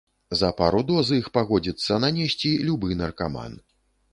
За пару доз іх пагодзіцца нанесці любы наркаман.